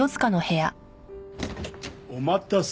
お待たせ。